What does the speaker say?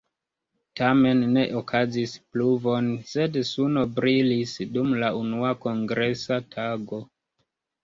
Tamen ne okazis pluvoj sed suno brilis dum la unua kongresa tago.